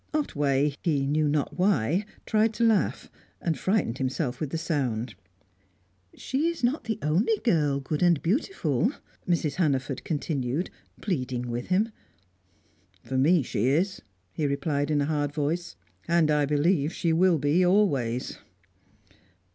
Otway, he knew not why, tried to laugh, and frightened himself with the sound. "She is not the only girl, good and beautiful," Mrs. Hannaford continued, pleading with him. "For me she is," he replied, in a hard voice. "And I believe she will be always."